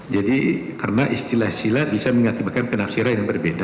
jadi karena istilah istilah bisa mengakibatkan penafsiran yang berbeda